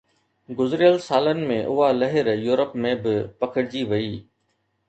گذريل سالن ۾، اها لهر يورپ ۾ به پکڙجي وئي.